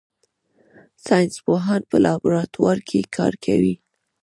ساینس پوهان په لابراتوار کې کار کوي